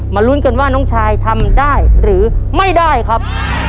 ลุ้นกันว่าน้องชายทำได้หรือไม่ได้ครับ